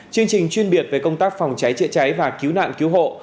chương trình chuyên biệt về công tác phòng cháy chữa cháy và cứu nạn cứu hộ